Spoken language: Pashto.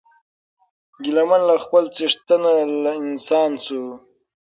ګیله من له خپل څښتنه له انسان سو